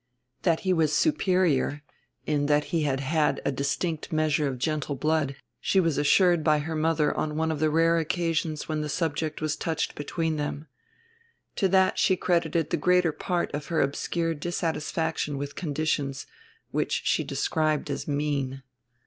That he was superior, in that he had had a distinct measure of gentle blood, she was assured by her mother on one of the rare occasions when the subject was touched between them. To that she credited the greater part of her obscure dissatisfaction with conditions which she described as mean.